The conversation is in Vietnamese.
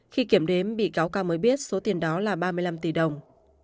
khi kiểm đếm bị cáo ca mới biết số tiền đó là ba mươi năm tỷ đồng